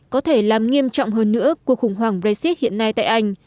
có thể làm nghiêm trọng hơn nữa cuộc khủng hoảng brexit hiện nay tại anh